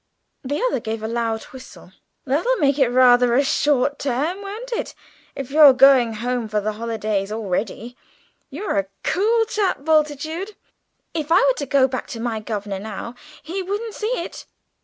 The other gave a loud whistle. "That'll make it rather a short term, won't it, if you're going home for the holidays already? You're a cool chap, Bultitude! If I were to go back to my governor now, he wouldn't see it.